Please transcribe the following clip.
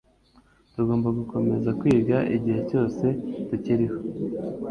Tugomba gukomeza kwiga igihe cyose tukiriho.